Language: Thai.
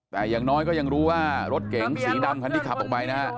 แต่อย่างน้อยก็ยังรู้ว่ารถเก๋งสีดำคันที่ขับออกไปนะฮะ